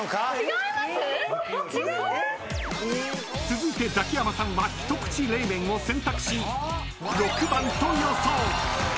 ［続いてザキヤマさんはひとくち冷麺を選択し６番と予想］